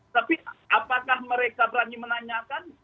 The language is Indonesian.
tapi apakah mereka berani menanyakan